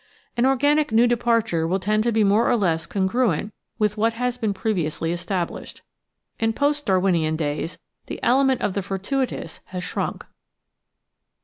An organic new departure will tend to be more or less congruent with what has been previously estab lished. In post Darwinian days the element of the fortuitous has shrunk.